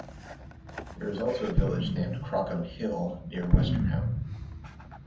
There is also a village named Crockham Hill near Westerham.